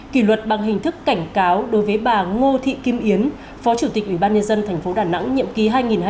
kỷ luật bằng hình thức cảnh cáo đối với bà ngô thị kim yến phó chủ tịch ủy ban nhân dân thành phố đà nẵng nhiệm kỳ hai nghìn hai mươi một hai nghìn hai mươi sáu